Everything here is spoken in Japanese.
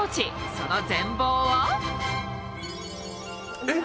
その全貌は？えっ？